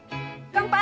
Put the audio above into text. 乾杯。